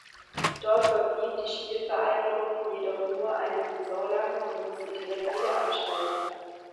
Dort verblieb die Spielvereinigung jedoch nur eine Saison lang und musste direkt wieder absteigen.